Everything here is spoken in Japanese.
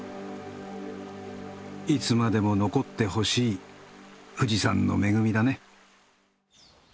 いつまでも残ってほしい富士山の恵みだね。